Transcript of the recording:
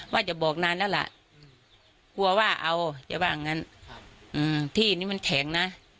ว่าจะบอกนานแล้วล่ะกลัวว่าเอาเจ้าบอกอย่างงั้นอืมที่นี้มันแข็งน่ะ